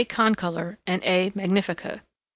concolor_ and A. magnifica.